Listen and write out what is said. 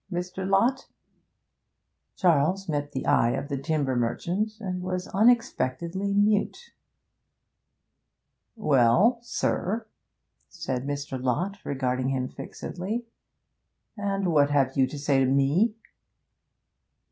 Mr. Lott ' Charles met the eye of the timber merchant, and was unexpectedly mute. 'Well, sir,' said Mr. Lott, regarding him fixedly, 'and what have you to say to me?'